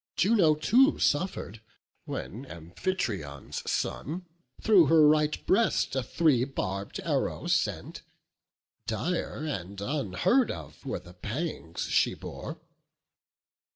Juno too suffer'd, when Amphitryon's son Through her right breast a three barb'd arrow sent: Dire, and unheard of, were the pangs she bore.